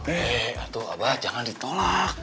eh atau apa jangan ditolak